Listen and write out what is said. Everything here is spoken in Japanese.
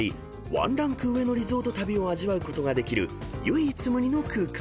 ワンランク上のリゾート旅を味わうことができる唯一無二の空間］